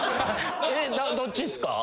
どっちっすか？